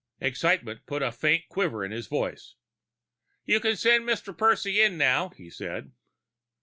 Excitement put a faint quiver in his voice. "You can send in Mr. Percy now," he said.